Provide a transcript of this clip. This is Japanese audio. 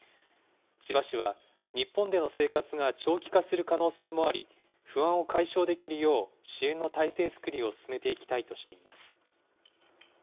千葉市は、日本での生活が長期化する可能性もあり、不安を解消できるよう、支援の体制づくりを進めていきたいとしています。